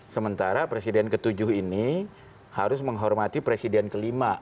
sementara presiden ke tujuh ini harus menghormati presiden kelima